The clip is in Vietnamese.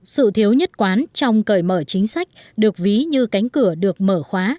sự thiếu nhất quán trong cởi mở chính sách được ví như cánh cửa được mở khóa